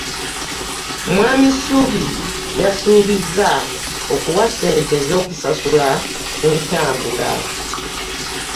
Mwami Ssuubi yasuubiza okuwa ssente z'okusasula entambula.